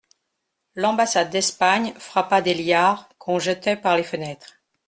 L'ambassade d'Espagne frappa des liards qu'on jetait par les fenêtres.